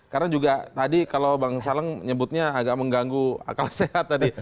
karena juga tadi kalau bang saleng nyebutnya agak mengganggu akal sehat tadi